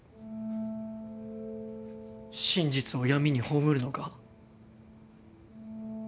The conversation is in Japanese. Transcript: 真実を闇に葬るのが？